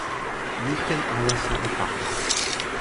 mi ken alasa e pakala.